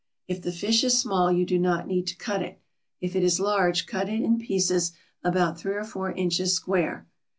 If the fish is small you do not need to cut it; if it is large, cut it in pieces about three or four inches square.